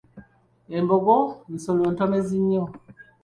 Embogo nsolo ntomezi nnyo.